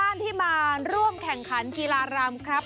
หล่านที่มาร่วมแข่งขันอิกษารัมพรรณครับ